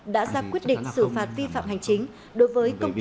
đã ra quyết định xử phạt vi phạm hành chính đối với vi phạm của công ty